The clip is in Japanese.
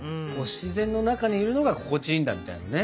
自然の中にいるのが心地いいんだみたいなね。